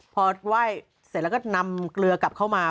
พอไหว้เสร็จแล้วก็นำเกลือกลับเข้ามา